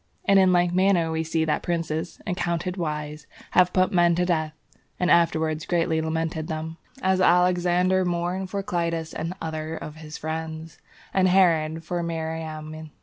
And in like manner we see that princes, accounted wise, have put men to death, and afterwards greatly lamented them, as Alexander mourned for Clitus and others of his friends, and Herod for Mariamne.